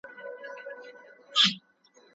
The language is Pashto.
لګښتونه مې د یوې دقیقې محاسبې له مخې کنټرول کړل.